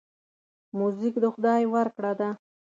موزیک د خدای ورکړه ده.